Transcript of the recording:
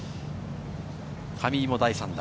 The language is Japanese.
上井の第３打。